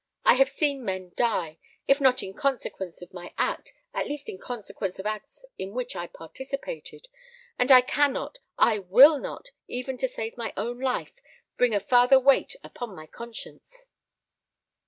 I have seen men die, if not in consequence of my act, at least in consequence of acts in which I participated, and I cannot, I will not, even to save my own life, bring a farther weight upon my conscience."